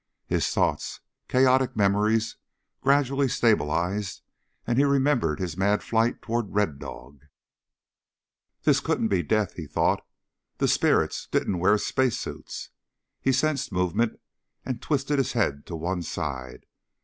His thoughts, chaotic memories, gradually stabilized and he remembered his mad flight toward Red Dog. This couldn't be death, he thought. Spirits didn't wear space suits. He sensed movement and twisted his head to one side.